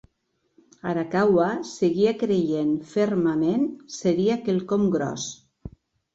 Arakawa seguia creient fermament seria quelcom gros.